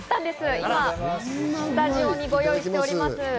今スタジオにご用意しております。